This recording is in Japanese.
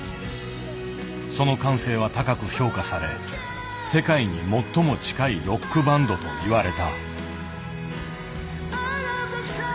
その感性は高く評価され「世界に最も近いロックバンド」といわれた。